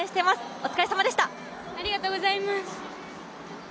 お疲れさまでした。